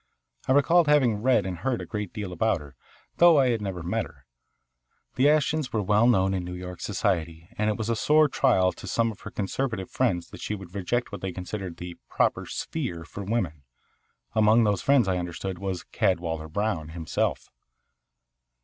I recalled having read and heard a great deal about her, though I had never met her. The Ashtons were well known in New York society, and it was a sore trial to some of her conservative friends that she should reject what they considered the proper "sphere" for women. Among those friends, I understood, was Cadwalader Brown himself.